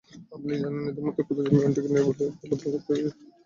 আপনি জানেন এদের মধ্যে কতজন বিমানটিকে নিরাপদে অবতরণ করতে পেরেছিল?